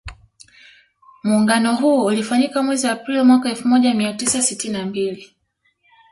Muungano huo ulifanyika mwezi April mwaka elfu moja mia tisa sitini na mbili